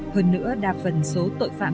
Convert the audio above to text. hơn nữa đa phần số tội phạm